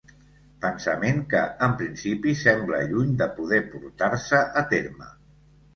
Pensament que, en principi, sembla lluny de poder portar-se a terme.